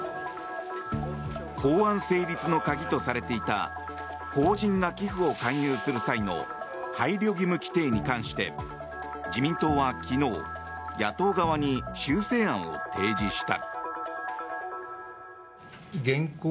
法案成立の鍵とされていた法人が寄付を勧誘する際の配慮義務規定に関して自民党は昨日、野党側に修正案を提示した。